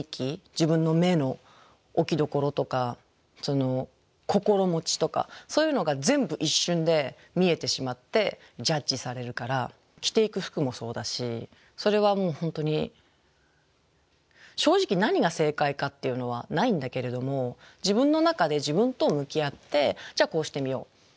自分の目の置き所とか心持ちとかそういうのが全部一瞬で見えてしまってジャッジされるから着ていく服もそうだしそれはもう本当に正直何が正解かっていうのはないんだけれども自分の中で自分と向き合ってじゃあこうしてみよう。